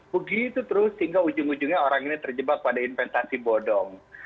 begitu terus sehingga ujung ujungnya orang ini terjebak pada investasi bodong